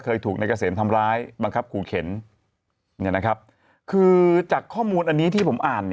เคยถูกนายเกษมทำร้ายบังคับขู่เข็นคือจากข้อมูลอันนี้ที่ผมอ่าน